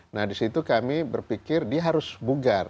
nah disitu kami berpikir dia harus bugar